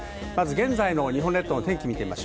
現在の日本列島の天気です。